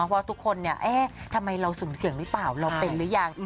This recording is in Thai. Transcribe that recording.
เพราะว่าทุกคนเนี่ยเอ๊ะทำไมเราสุ่มเสี่ยงหรือเปล่าเราเป็นหรือยัง